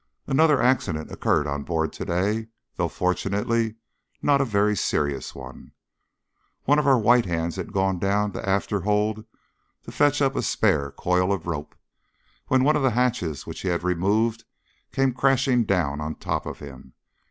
Another accident occurred on board to day, though fortunately not a very serious one. One of our white hands had gone down the afterhold to fetch up a spare coil of rope, when one of the hatches which he had removed came crashing down on the top of him.